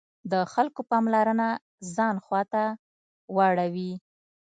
د خلکو پاملرنه ځان خواته واړوي.